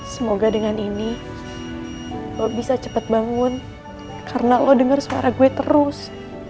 semoga dengan ini lo bisa cepat bangun karena lo dengar suara gue terus